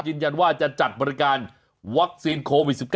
ยืนยันว่าจะจัดบริการวัคซีนโควิด๑๙